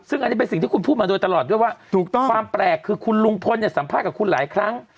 ซึ่งอันนี้เป็นสิ่งที่คุณพูดมาโดยตลอดด้วยว่าถูกต้องความแปลกคือคุณลุงพลเนี่ยสัมภาษณ์กับคุณหลายครั้ง